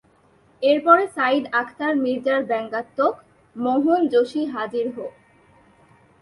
এরপরে সাইদ আখতার মির্জার ব্যঙ্গাত্মক "মোহন জোশী হাজির হো!"